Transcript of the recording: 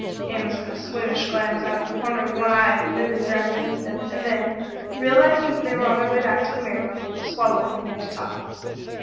Amos sent a squeamish glance out of the corner of one eye at the moving ground beneath them, and then, realizing that they were on their way back to the Mirabelle, swallowed and began to talk.